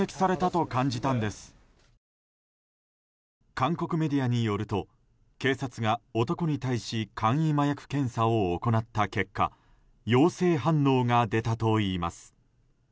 韓国メディアによると警察が男に対し簡易麻薬検査を行った結果陽性反応が出たといいます。